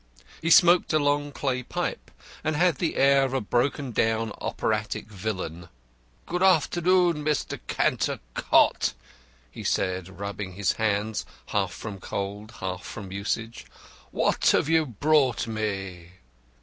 He smoked a long clay pipe, and had the air of a broken down operatic villain. "Ah, good afternoon, Mr. Cantercot," he said, rubbing his hands, half from cold, half from usage; "what have you brought me?"